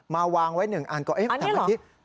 มาวางไว้หนึ่งอันก่อนอันนี้หรอ